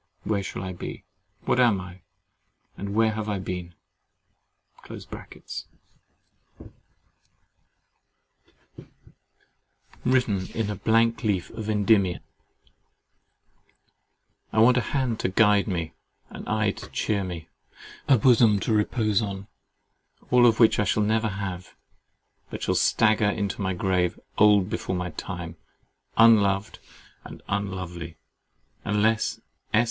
Where shall I be? What am I? Or where have I been?] WRITTEN IN A BLANK LEAF OF ENDYMION I want a hand to guide me, an eye to cheer me, a bosom to repose on; all which I shall never have, but shall stagger into my grave, old before my time, unloved and unlovely, unless S.